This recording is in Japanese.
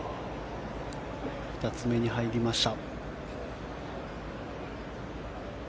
２つ目に入りました。